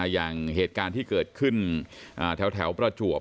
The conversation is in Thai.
อย่างเหตุการณ์ที่เกิดขึ้นแถวประจวบ